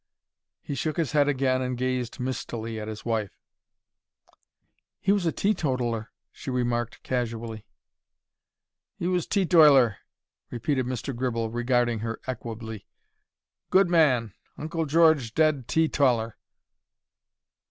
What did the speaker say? He shook his head again and gazed mistily at his wife. "He was a teetotaller," she remarked, casually. "He was tee toiler," repeated Mr. Gribble, regarding her equably. "Good man. Uncle George dead tee toller."